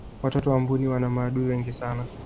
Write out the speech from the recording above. watoto wa mbuni wana maadui wengi sana